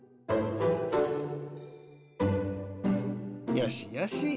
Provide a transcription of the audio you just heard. よしよし。